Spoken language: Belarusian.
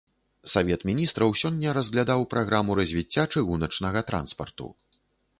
Савет міністраў сёння разглядаў праграму развіцця чыгуначнага транспарту.